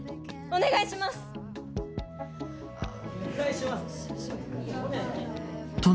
「お願いします」って。